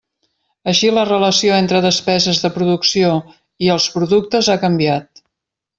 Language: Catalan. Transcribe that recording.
Així la relació entre despeses de producció i els productes ha canviat.